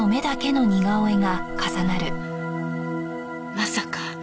まさか。